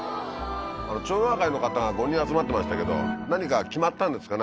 町内会の方が５人集まってましたけど何か決まったんですかね